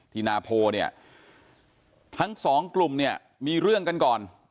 นาโพเนี่ยทั้งสองกลุ่มเนี่ยมีเรื่องกันก่อน